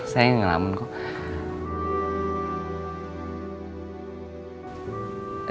saya yang ngelamun kok